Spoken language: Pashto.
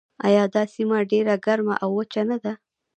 آیا دا سیمه ډیره ګرمه او وچه نه ده؟